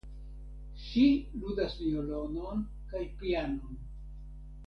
Ŝi ludas violonon kaj pianon.